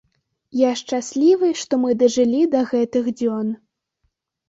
Я шчаслівы, што мы дажылі да гэтых дзён.